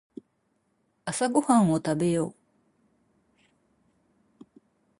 朝ごはんを食べよう。